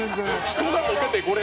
人がボケてこれ？